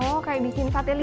oh kayak bikin satelit ya